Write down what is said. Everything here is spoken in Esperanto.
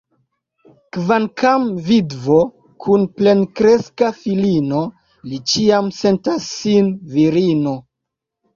Kvankam vidvo, kun plenkreska filino, li ĉiam sentas sin virino.